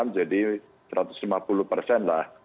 enam ratus sembilan puluh enam jadi satu ratus lima puluh persen lah